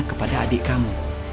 kepada adik kamu